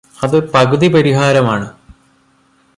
അത് പകുതി പരിഹാരമാണ്